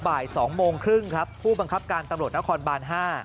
บ่าย๒โมงครึ่งครับผู้บังคับการตำรวจนครบาน๕